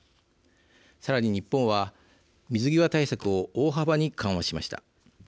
さらに、日本は水際対策を大幅に緩和しました。